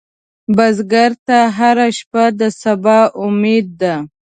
بزګر ته هره شپه د سبا امید ده